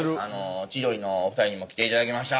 千鳥のお二人にも来ていただきました。